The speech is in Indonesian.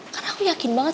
kan aku yakin banget